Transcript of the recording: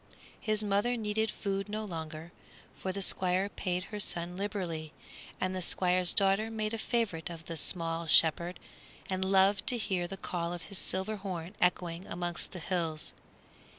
His mother needed food no longer, for the Squire paid her son liberally and the Squire's daughter made a favorite of the small shepherd and loved to hear the call of his silver horn echoing amongst the hills.